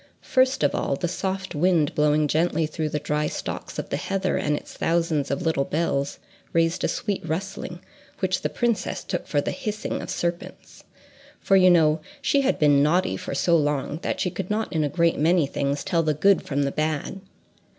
First of all, the soft wind blowing gently through the dry stalks of the heather and its thousands of little bells raised a sweet rustling, which the princess took for the hissing of serpents, for you know she had been naughty for so long that she could not in a great many things tell the good from the bad.